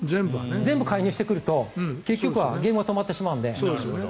全部介入してくるとゲームは止まってしまうので。